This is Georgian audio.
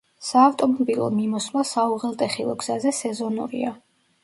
საავტომობილო მიმოსვლა საუღელტეხილო გზაზე სეზონურია.